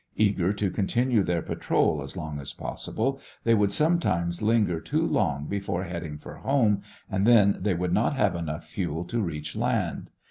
Eager to continue their patrol as long as possible, they would sometimes linger too long before heading for home and then they would not have enough fuel left to reach land.